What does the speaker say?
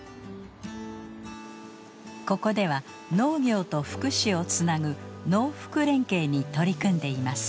ここでは農業と福祉をつなぐ農福連携に取り組んでいます。